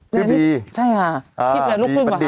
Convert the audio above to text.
คุณบีใช่ค่ะ